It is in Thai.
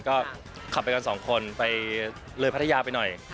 ก็ขับไปกันสองคนไปเลยพัทยาไปหน่อย